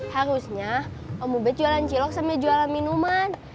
harusnya om ubet jualan cilok sambil jualan minuman